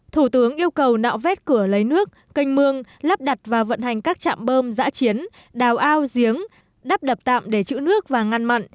thủ tướng yêu cầu nạo vét cửa lấy nước canh mương lắp đặt và vận hành các trạm bơm giã chiến đào ao giếng đắp đập tạm để chữ nước và ngăn mặn